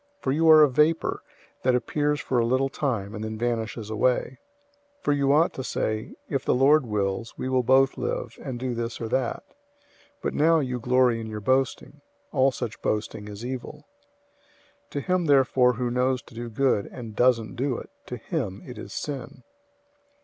For you are a vapor, that appears for a little time, and then vanishes away. 004:015 For you ought to say, "If the Lord wills, we will both live, and do this or that." 004:016 But now you glory in your boasting. All such boasting is evil. 004:017 To him therefore who knows to do good, and doesn't do it, to him it is sin.